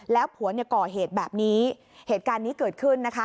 แล้วผัวเนี่ยก่อเหตุแบบนี้เหตุการณ์นี้เกิดขึ้นนะคะ